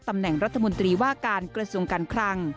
ตำแหน่งรัฐมนตรีว่าการกระทรวงการคลัง